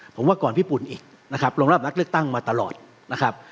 ผมว่าก่อนพี่ปุ่นอีกนะครับลงรอบนักเลือกตั้งมาตลอดนะครับ